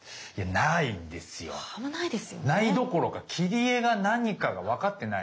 ないどころか切り絵が何かが分かってない。